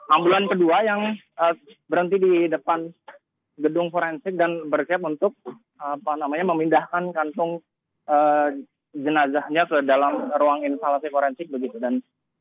ambulan kedua yang berhenti di depan gedung forensik dan bersiap untuk memindahkan kantung jenazahnya ke dalam ruang instalasi forensik begitu dan